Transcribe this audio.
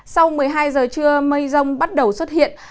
sau một mươi hai giờ trưa mây rông bắt đầu xuất hiện